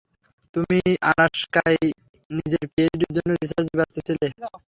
তুমি আলাস্কায় নিজের পিএইচডির জন্য রিসার্চে ব্যস্ত ছিলে।